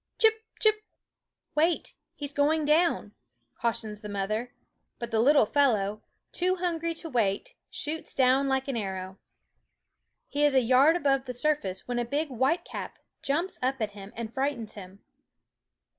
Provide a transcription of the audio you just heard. Chip, chip! "wait, he's going down," cautions the mother; but the little fellow, too hungry to wait, shoots down like an arrow. He is a yard above the surface when a big whitecap jumps up at him and frightens him.